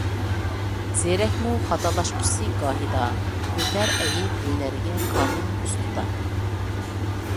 زېرەكمۇ خاتالاشقۇسى گاھىدا، ئۆتەر ئەيىب ھۈنەرگە كامىل ئۇستىدا.